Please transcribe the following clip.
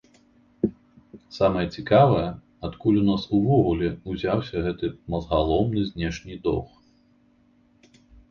Самае цікавае, адкуль у нас увогуле ўзяўся гэты мазгаломны знешні доўг.